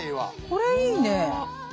これいいね。